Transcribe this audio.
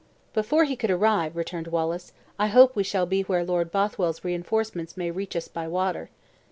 "Before he could arrive," returned Wallace, "I hope we shall be where Lord Bothwell's reinforcements may reach us by water.